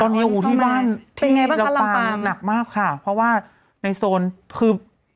ตอนนี้อู๋ที่ว่านเป็นยังไงบ้างคะลำปังหนักมากค่ะเพราะว่าในโซนคือ